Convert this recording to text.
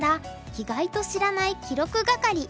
意外と知らない記録係」。